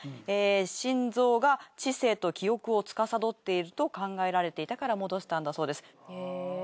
心臓が知性と記憶をつかさどっていると考えられていたから戻したんだそうです。